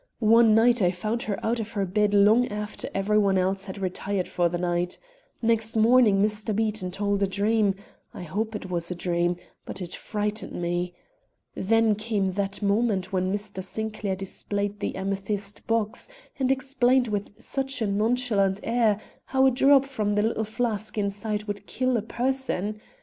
One night I found her out of her bed long after every one else had retired for the night. Next morning Mr. Beaton told a dream I hope it was a dream but it frightened me. Then came that moment when Mr. Sinclair displayed the amethyst box and explained with such a nonchalant air how a drop from the little flask inside would kill a person.